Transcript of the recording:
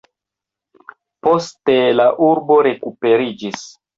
Poste la urbo rekuperiĝis.